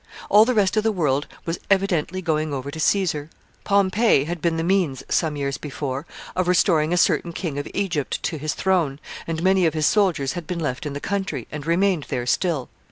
All the rest of the world was evidently going over to Caesar. Pompey had been the means, some years before, of restoring a certain king of Egypt to his throne, and many of his soldiers had been left in the country, and remained there still.